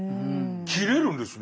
切れるんですね。